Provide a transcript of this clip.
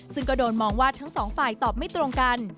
ซึ่งก็โดนมองว่าทั้งสองฝ่ายตอบไม่ตรงกัน